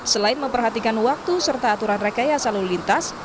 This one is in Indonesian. selain memperhatikan waktu serta aturan rekayasa lalu lintas